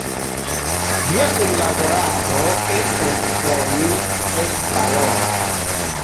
Via kunlaborado estos por mi tre valora.